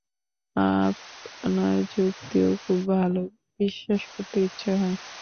আপনার যুক্তিও খুব ভালো, বিশ্বাস করতে ইচ্ছা হয়।